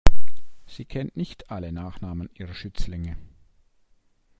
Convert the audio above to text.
Sie kennt nicht alle Nachnamen ihrer Schützlinge.